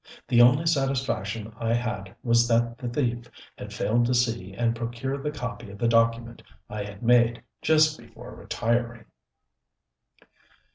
The only satisfaction I had was that the thief had failed to see and procure the copy of the document I had made just before retiring.